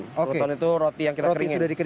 crouton itu roti yang kita keringin